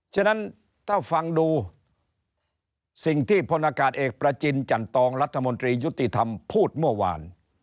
ฉะนั้นถ้าฟังดูสิ่งที่พลอากาศเอกประจินจันตองรัฐมนตรียุติธรรมพูดเมื่อวาน